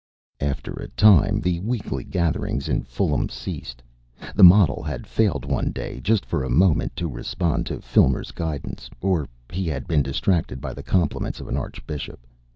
After a time, the weekly gatherings in Fulham ceased. The model had failed one day just for a moment to respond to Filmer's guidance, or he had been distracted by the compliments of an archbishop.